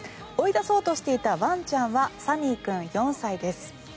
追い出そうとしていたワンちゃんはサミー君、４歳です。